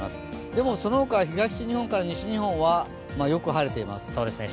でも、そのほか東日本から西日本はよく晴れています。